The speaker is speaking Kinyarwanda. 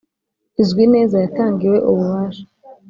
izwi neza yatangiwe ububasha.